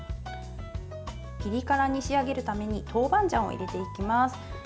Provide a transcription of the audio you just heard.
ピリ辛に仕上げるために豆板醤を入れていきます。